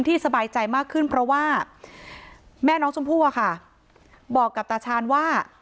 สบายใจมากขึ้นเพราะว่าแม่น้องชมพู่อะค่ะบอกกับตาชาญว่า